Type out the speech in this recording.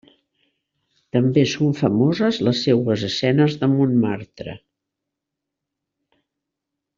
També són famoses les seues escenes de Montmartre.